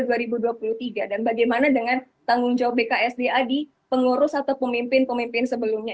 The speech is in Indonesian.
dan bagaimana dengan tanggung jawab bksda di pengurus atau pemimpin pemimpin sebelumnya